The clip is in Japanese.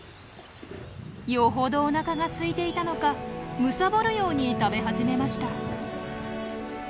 よほどおなかがすいていたのかむさぼるように食べ始めました。